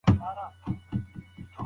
که مدیر وي نو اداره نه کمزورې کیږي.